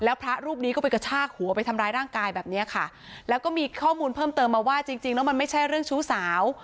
แล้วพระรูปนี้ก็ไปกระชากหัวไปทำร้ายร่างกายแบบเนี้ยค่ะแล้วก็มีข้อมูลเพิ่มเติมมาว่าจริงจริงแล้วมันไม่ใช่เรื่องชู้สาว